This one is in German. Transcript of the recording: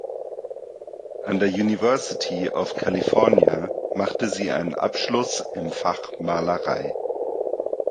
An der University of California machte sie einen Abschluss im Fach Malerei.